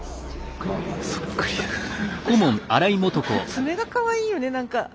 爪がかわいいよね何か。